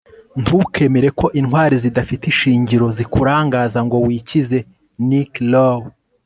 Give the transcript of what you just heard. ntukemere ko intwari zidafite ishingiro zikurangaza ngo wikize - nikki rowe